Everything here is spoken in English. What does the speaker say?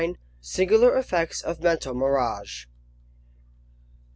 IX. Singular effects of Mental Mirage.